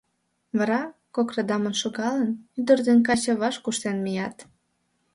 Вара, кок радамын шогалын, ӱдыр ден каче ваш куштен мият.